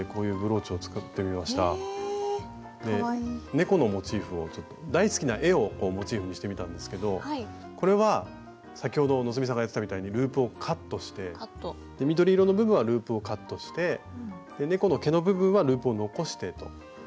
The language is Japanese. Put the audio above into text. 猫のモチーフを大好きな絵をモチーフにしてみたんですけどこれは先ほど希さんがやってたみたいにループをカットして緑色の部分はループをカットして猫の毛の部分はループを残してと。